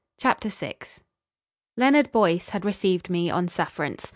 CHAPTER VI Leonard Boyce had received me on sufferance.